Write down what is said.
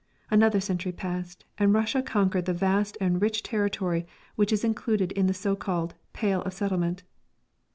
Another century passed, and Russia conquered the vast and rich territory which is included in the so called "Pale of Settlement."